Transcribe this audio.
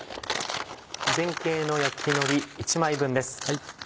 全形の焼きのり１枚分です。